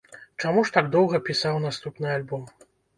Чаму ж так доўга пісаў наступны альбом?